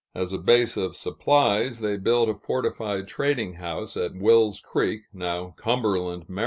As a base of supplies, they built a fortified trading house at Will's Creek (now Cumberland, Md.)